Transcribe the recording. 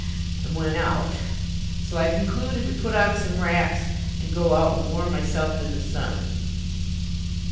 and went out. So I concluded to put on some wraps and go out and warm myself in the sun.